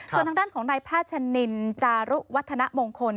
ส่วนทางด้านของนายแพทย์ชะนินจารุวัฒนมงคล